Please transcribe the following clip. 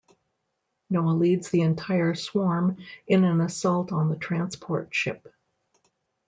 Noah leads the entire swarm in an assault on the transport ship.